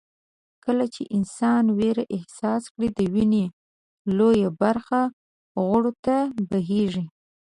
کله چې انسان وېره احساس کړي د وينې لويه برخه غړو ته بهېږي.